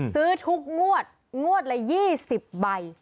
ซื้อทุกงวดงวดละ๒๐ใบ